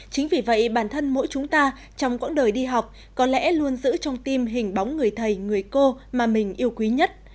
chính vì vậy bản thân mỗi chúng ta trong quãng đời đi học có lẽ luôn giữ trong tim hình bóng người thầy người cô mà mình yêu quý nhất